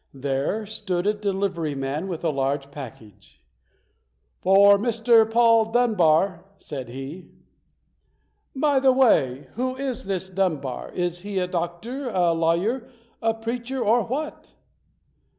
There stood a delivery man with a large package. "For Mr. Paul Dunbar", said he. "By the way, who is this Dunbar? Is he a doctor, a lawyer, a preacher, or what?"